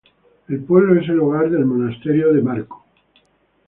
El pueblo es el hogar del monasterio de Marko.